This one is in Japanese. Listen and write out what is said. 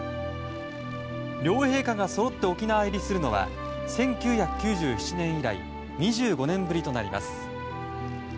両陛下がそろって沖縄入りするのは１９９７年以来２５年ぶりとなります。